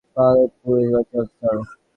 Palampur, Himachal, sir.